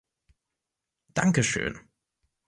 Danke schön.